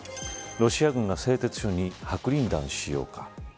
ロシア軍が製鉄所に白リン弾使用か。